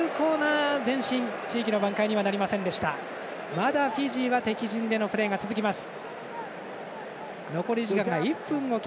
まだフィジーは敵陣でのプレーが続きます。